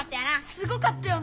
すごかったよな